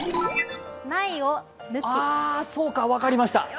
あ、そうか、分かりました。